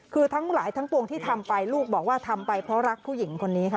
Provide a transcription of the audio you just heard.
คือทั้งหลายทั้งปวงที่ทำไปลูกบอกว่าทำไปเพราะรักผู้หญิงคนนี้ค่ะ